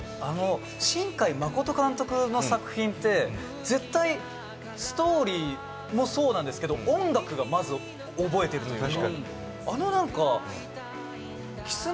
新海誠監督の作品って、絶対ストーリーもそうなんですけど音楽が、まず覚えてるというか。